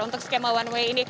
untuk skema one way ini